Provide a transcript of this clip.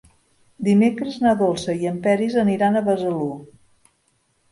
Dimecres na Dolça i en Peris aniran a Besalú.